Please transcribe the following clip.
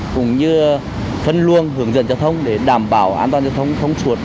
cũng như phân luân hướng dẫn giao thông để đảm bảo an toàn giao thông không suột